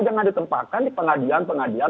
jangan ditempatkan di pengajian pengajian